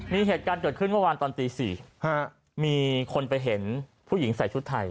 มีเหตุการณ์เกิดขึ้นเมื่อวานตอนตี๔มีคนไปเห็นผู้หญิงใส่ชุดไทย